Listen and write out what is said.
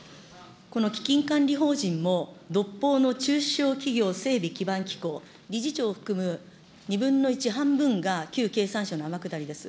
この基金管理法人も、独法の中小企業整備基盤機構、理事長を含む２分の１、半分が旧経産省の天下りです。